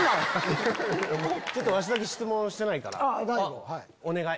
ちょっとわしだけ質問してないからお願い。